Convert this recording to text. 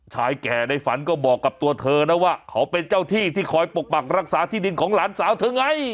ชายแก่ในฝันก็บอกกับตัวเธอนะว่าเขาเป็นเจ้าที่ที่คอยปกปักรักษาที่ดินของหลานสาวเธอไง